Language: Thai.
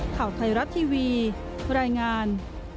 ข่าวไทยรัฐทีวีรายงาน